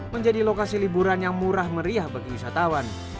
menjadi lokasi liburan yang murah meriah bagi wisatawan